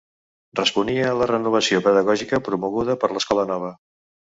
Responia a la renovació pedagògica promoguda per l'escola nova.